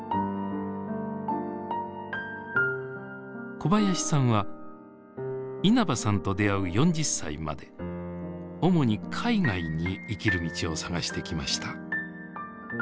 小林さんは稲葉さんと出会う４０歳まで主に海外に生きる道を探してきました。